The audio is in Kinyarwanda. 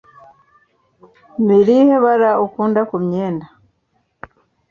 Ni irihe bara ukunda kumyenda?